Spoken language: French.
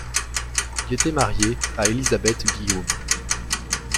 Il était marié à Élisabeth Guillaume.